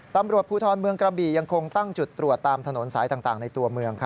ตำรวจภูทรเมืองกระบี่ยังคงตั้งจุดตรวจตามถนนสายต่างในตัวเมือง